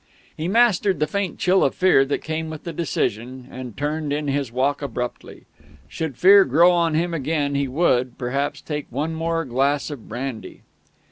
He mastered the faint chill of fear that came with the decision, and turned in his walk abruptly. Should fear grow on him again he would, perhaps, take one more glass of brandy....